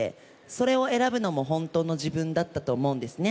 それを選ぶのも本当の自分だったと思うんですね。